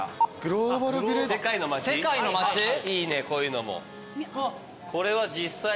世界の街いいねこういうのも。